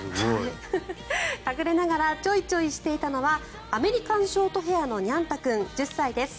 隠れながらチョイチョイしていたのはアメリカンショートヘアのにゃん太君、１０歳です。